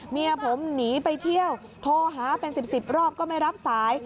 เมียผมหนีไปเที่ยวโทรหาเป็น๑๐รอบก็ไม่รับสาย